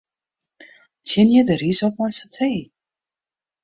Tsjinje de rys op mei satee.